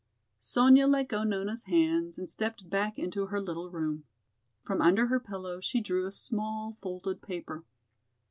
Sonya let go Nona's hands and stepped back into her little room. From under her pillow she drew a small folded paper.